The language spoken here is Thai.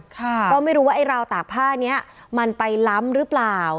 ก็ไม่รู้ว่าไอ้ราวตากผ้านี้มันไปล้ำหรือเปล่า